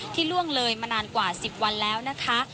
ล่วงเลยมานานกว่า๑๐วันแล้วนะคะ